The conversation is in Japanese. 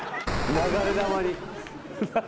流れ弾に。